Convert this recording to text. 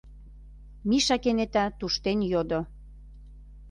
— Миша кенета туштен йодо.